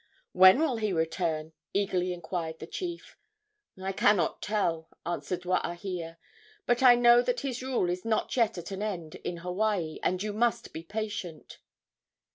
"When will he return?" eagerly inquired the chief. "I cannot tell," answered Waahia; "but I know that his rule is not yet at an end in Hawaii, and you must be patient."